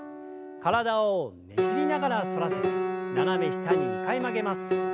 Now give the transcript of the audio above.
体をねじりながら反らせて斜め下に２回曲げます。